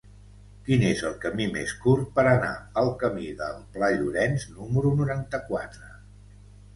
Quin és el camí més curt per anar al camí del Pla Llorenç número noranta-quatre?